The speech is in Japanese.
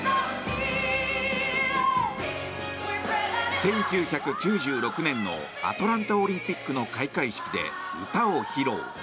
１９９６年のアトランタオリンピックの開会式で、歌を披露。